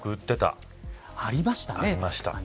ありましたね。